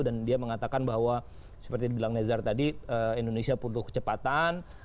dan dia mengatakan bahwa seperti dibilang nezar tadi indonesia perlu kecepatan